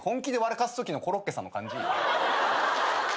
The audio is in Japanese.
かすときのコロッケさんの感じ。